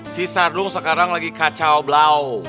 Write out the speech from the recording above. si sardung sekarang lagi kacau blau